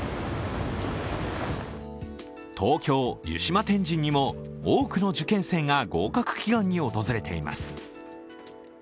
東京・湯島天神にも多くの受験生が合格祈願に訪れています。